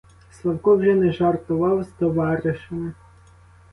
Славко вже не жартував з товаришами.